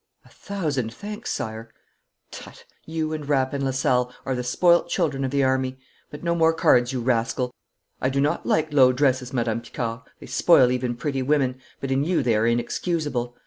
'A thousand thanks, sire.' 'Tut! You and Rapp and Lasalle are the spoiled children of the army. But no more cards, you rascal! I do not like low dresses, Madame Picard. They spoil even pretty women, but in you they are inexcusable.